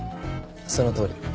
そのとおり。